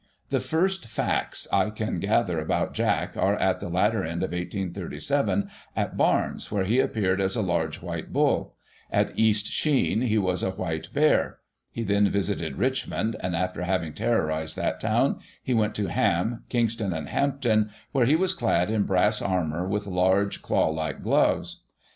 The first facts I can gather about Jack are at the latter end of 1837, at Barnes, where he appeared as a large white bull ; at East Sheen he was a white bear ; he then visited Richmond, and after having terrorised that town, he went to Ham, Kingston and Hampton, where he was clad in brass cirmour, with large claw like gloves.